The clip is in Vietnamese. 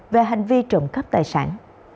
về hành vi trộm cắp tài sản